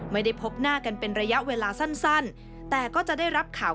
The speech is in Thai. ไม่ได้พบหน้ากันเป็นระยะเวลาสั้นแต่ก็จะได้รับข่าว